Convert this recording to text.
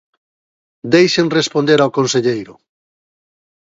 Deixen responder ao conselleiro.